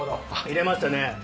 入れましたね